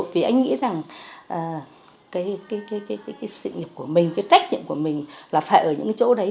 vì anh nghĩ rằng cái sự nghiệp của mình cái trách nhiệm của mình là phải ở những cái chỗ đấy